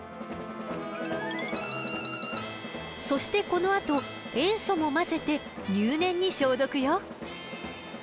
そしてこのあと塩素も混ぜて入念に消毒よ。